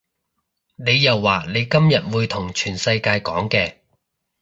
你又話你今日會同全世界講嘅